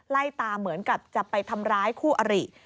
ไล่ตามเหมือนกับจะไปทำร้ายคู่อริ